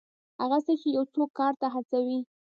هغه څه چې یو څوک کار ته هڅوي.